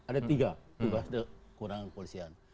ada tiga tugas dan kewenangan kepolisian